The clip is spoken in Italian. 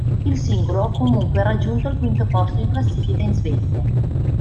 Il singolo ha comunque raggiunto il quinto posto in classifica in Svezia.